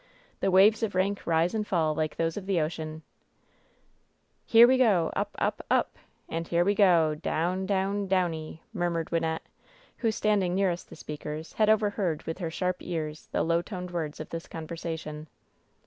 The waves of rank rise and fall like those of the ocean !''" 'Here we go up — ^up — ^up ! And here we go down— down— downy !'^' murmured Wynnette, who, standing nearest the speak ers, had overheard with her sharp ears the low toned words of this conversation.